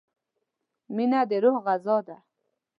• مینه د روح غذا ده.